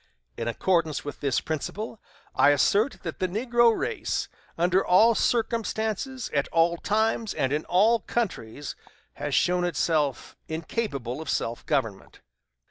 In accordance with this principle, I assert that the negro race, under all circumstances, at all times, and in all countries, has shown itself incapable of self government."